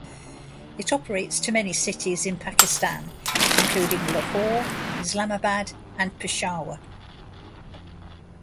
It operates to many cities in Pakistan including Lahore, Islamabad and Peshawar.